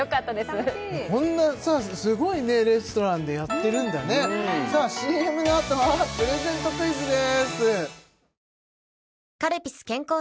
楽しいこんなさすごいレストランでやってるんだねさあＣＭのあとはプレゼントクイズです